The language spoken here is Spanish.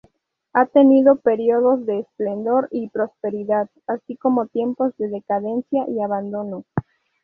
Ha tenido períodos de esplendor y prosperidad, así como tiempos de decadencia y abandono.